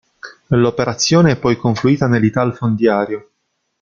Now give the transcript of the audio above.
L'operazione è poi confluita nel'Italfondiario.